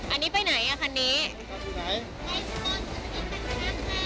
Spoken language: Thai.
อันนี้ไปไหนอ่ะคันนี้